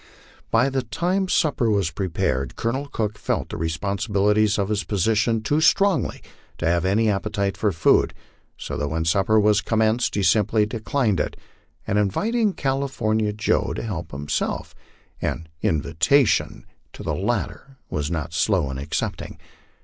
By the time supper was prepared Colonel Cook felt the responsibilities of his position too strongly to have any appetite for food, so that when supper was commenced he simply declined it, and invited California Joe to help himself an invitation the latter was not slow in accepting.